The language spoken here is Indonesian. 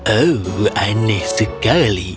oh aneh sekali